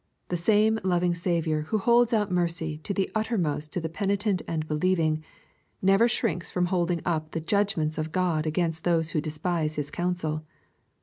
The same loving Saviour who holds out mercy to the uttermost to the penitent and believing, never shrinks from holding up the judgments of God against those who despise His counsel.